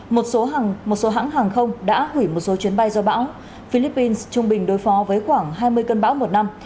một số hãng hàng không đã hủy một số chuyến bay do bão philippines trung bình đối phó với khoảng hai mươi cơn bão một năm